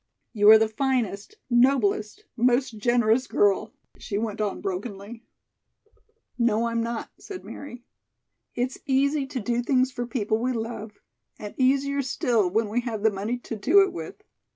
"You are the finest, noblest, most generous girl," she went on brokenly. "No, I'm not," said Mary. "It's easy to do things for people we love and easier still when we have the money to do it with.